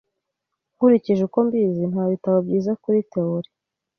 Nkurikije uko mbizi, nta bitabo byiza kuri théorie